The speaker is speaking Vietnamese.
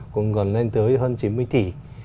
cũng gần lên tới hơn chín mươi tỷ